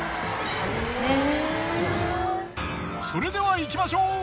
それではいきましょう！